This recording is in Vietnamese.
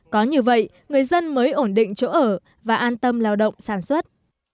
có như vậy người dân mới ổn định chỗ ở và an tâm lao động sản xuất